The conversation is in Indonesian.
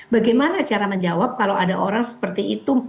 bagaimana cara menjawab kalau ada orang seperti itu